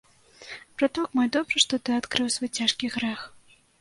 Браток мой, добра, што ты адкрыў свой цяжкі грэх.